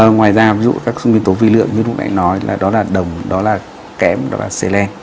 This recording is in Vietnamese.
ngoài ra ví dụ các nguyên tố vi lượng như lúc nãy nói là đó là đồng đó là kém đó là xê len